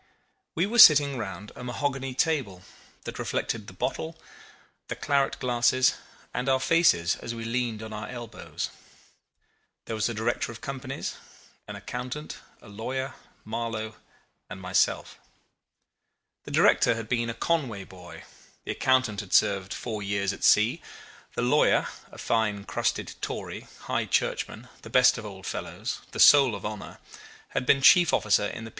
We were sitting round a mahogany table that reflected the bottle, the claret glasses, and our faces as we leaned on our elbows. There was a director of companies, an accountant, a lawyer, Marlow, and myself. The director had been a Conway boy, the accountant had served four years at sea, the lawyer a fine crusted Tory, High Churchman, the best of old fellows, the soul of honour had been chief officer in the P.